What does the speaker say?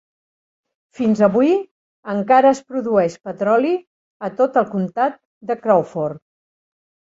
Fins avui, encara es produeix petroli a tot el comtat de Crawford.